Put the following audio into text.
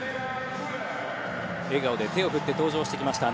笑顔で手を振って登場してきました